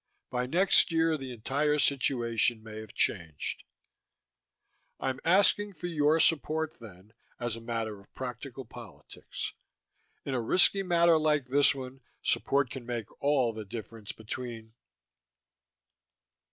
By next year the entire situation may have changed. I'm asking for your support, then, as a matter of practical politics. In a risky matter like this one, support can make all the difference between....